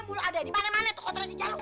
mulai ada dimana mana tuh kontrol si jahlo ha